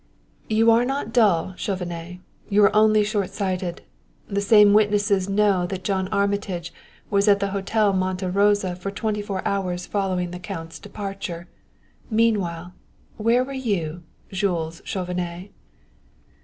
"You are not dull, Chauvenet; you are only shortsighted. The same witnesses know that John Armitage was at the Hotel Monte Rosa for twenty four hours following the Count's departure. Meanwhile, where were you, Jules Chauvenet?"